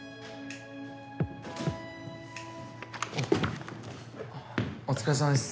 ガチャお疲れさまです。